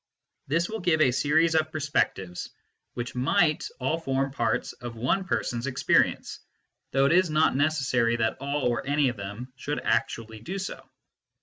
This will give a series of perspectives, which might all form parts of one person s experience, though it is not necessary that all or any of them should actually do so.